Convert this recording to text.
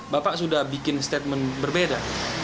bapak sudah bikin statement berbeda